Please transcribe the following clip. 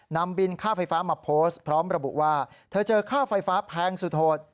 นำบินค่าไฟฟ้ามาโพสต์พร้อมระบุว่าเธอเจอค่าไฟฟ้าแพงสุดโหด